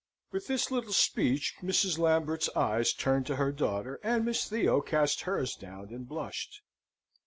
With this little speech Mrs. Lambert's eyes turned to her daughter, and Miss Theo cast hers down and blushed.